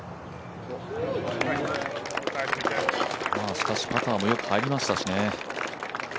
しかし、パターもよく入りましたしね。